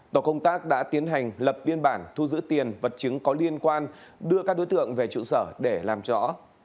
tổ công tác đã tiến hành lập biên bản thu giữ tiền vật chứng có liên quan đưa các đối tượng về trụ sở để làm rõ